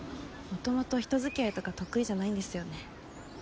もともと人づきあいとか得意じゃないんですよね。